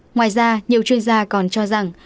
ngoài ra nhiều chuyên gia còn cho rằng